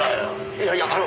いやいやあの。